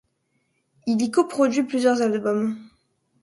Il y coproduit plusieurs albums.